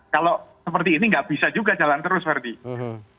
kalau seperti ini nggak bisa juga jalan terus ferdie